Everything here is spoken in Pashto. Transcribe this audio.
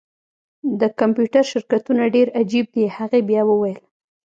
د کمپیوټر شرکتونه ډیر عجیب دي هغې بیا وویل